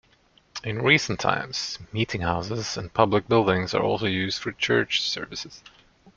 In recent times, meetinghouses and public buildings are also used for church services.